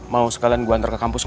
mau sekalian gue antar ke kampus